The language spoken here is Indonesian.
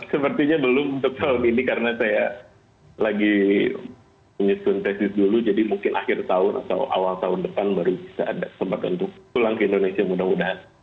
sepertinya belum untuk tahun ini karena saya lagi menyusun tesis dulu jadi mungkin akhir tahun atau awal tahun depan baru bisa ada kesempatan untuk pulang ke indonesia mudah mudahan